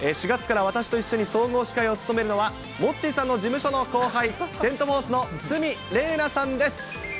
４月から私と一緒に総合司会を務めるのは、モッチーさんの事務所の後輩、セント・フォースの鷲見玲奈さんです。